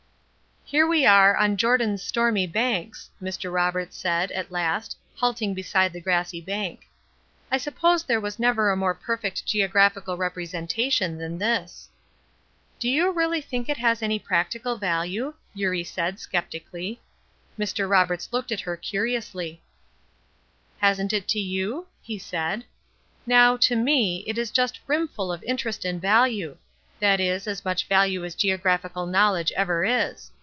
"Here we are, on 'Jordan's stormy banks,'" Mr. Roberts said, at last, halting beside the grassy bank. "I suppose there was never a more perfect geographical representation than this." "Do you really think it has any practical value?" Eurie asked, skeptically. Mr. Roberts looked at her curiously. "Hasn't it to you?" he said. "Now, to me, it is just brimful of interest and value; that is, as much value as geographical knowledge ever is.